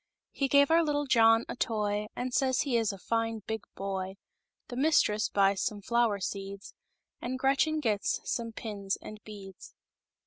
He gives our little Jo>6/i a 5%, And says he is a fine , The mistresshwys some Flo'wer Seeds , And Gretchen gets some Pins andiBeac/s